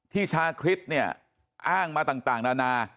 ชาคริสเนี่ยอ้างมาต่างนานา